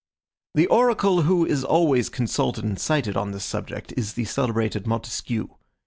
The oracle who is always consulted and cited on this subject is the celebrated Montesquieu.